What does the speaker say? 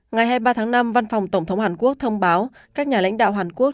ngày hai mươi ba tháng năm văn phòng tổng thống hàn quốc thông báo các nhà lãnh đạo hàn quốc